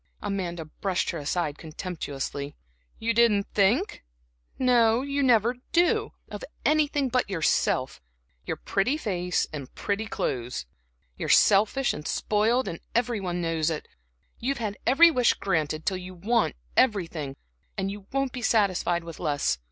Amanda brushed her aside contemptuously. "You didn't think? no, you never do, of anything but yourself, your pretty face and pretty clothes! You're selfish and spoiled every one knows it; you've had every wish granted till you want everything, and you won't be satisfied with less.